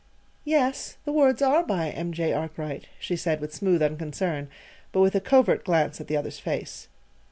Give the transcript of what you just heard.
"Yes; the words are by M. J. Arkwright," she said with smooth unconcern, but with a covert glance at the other's face.